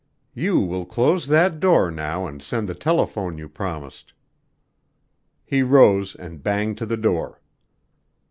"You will close that door now and send the telephone you promised." He rose and banged to the door.